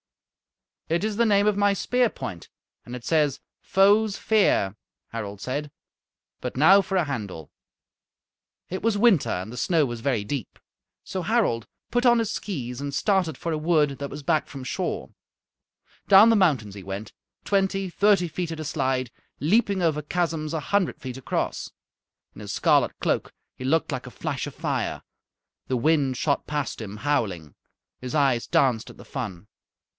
"It is the name of my spear point, and it says, 'Foes' fear,'" Harald said. "But now for a handle." It was winter and the snow was very deep. So Harald put on his skees and started for a wood that was back from shore. Down the mountains he went, twenty, thirty feet at a slide, leaping over chasms a hundred feet across. In his scarlet cloak he looked like a flash of fire. The wind shot past him howling. His eyes danced at the fun.